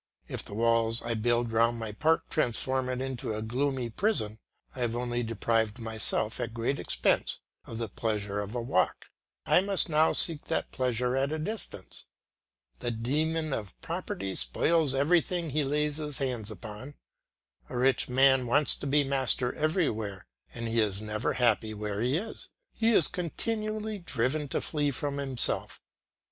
If the walls I build round my park transform it into a gloomy prison, I have only deprived myself, at great expense, of the pleasure of a walk; I must now seek that pleasure at a distance. The demon of property spoils everything he lays hands upon. A rich man wants to be master everywhere, and he is never happy where he is; he is continually driven to flee from himself.